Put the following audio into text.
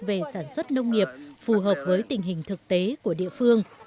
về sản xuất nông nghiệp phù hợp với tình hình thực tế của địa phương